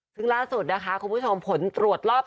ซึ่งล่าสุดนะคะคุณผู้ชมผลตรวจรอบ๒